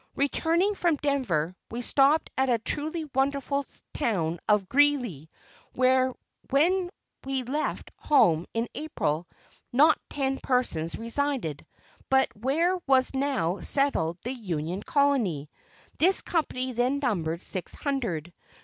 Returning from Denver, we stopped at the truly wonderful town of Greeley, where when we left home in April not ten persons resided, but where was now settled the "Union Colony." This company then numbered six hundred.